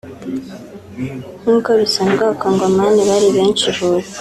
nkuko bisanzwe abacongomani bari benshi i Huye